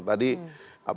tadi bangsa indonesia itu